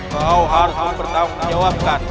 kau harus bertanggung jawabkan